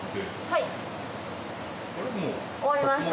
はい終わりました。